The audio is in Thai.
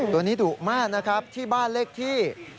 ตัวนี้ดุมากนะครับที่บ้านเลขที่